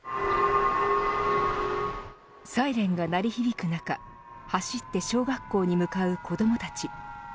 サイレンが鳴り響く中走って小学校に向かう子どもたち。